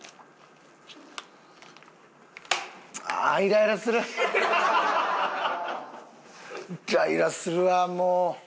イライラするわもう。